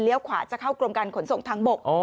ขวาจะเข้ากรมการขนส่งทางบก